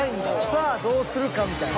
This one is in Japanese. さあどうするかみたいな。